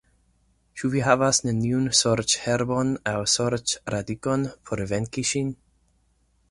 Ĉu vi havas neniun sorĉherbon aŭ sorĉradikon por venki ŝin?